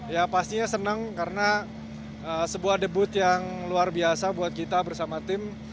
ya pastinya senang karena sebuah debut yang luar biasa buat kita bersama tim